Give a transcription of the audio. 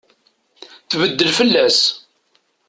Tbeddel fell-as.